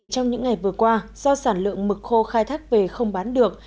trong những ngày vừa qua do sản lượng mực khô khai thác về không bán được